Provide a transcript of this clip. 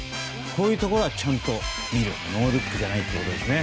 こういうところはちゃんと見るノールックじゃないということですね。